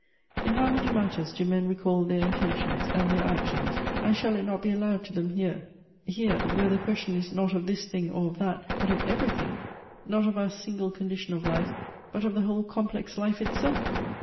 In how many matters do men recall their intentions and their actions ; and shall it not be allowed to them here, here, where the question is not of this thing or of that, but of everything ; not of our single condition of life, but of the whole complex life itself?"